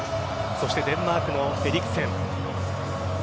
そしてデンマークのエリクセン。